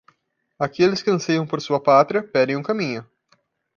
Aqueles que anseiam por sua pátria, pedem o caminho.